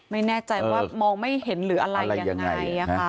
ไม่แน่ใจว่ามองไม่เห็นหรืออะไรยังไง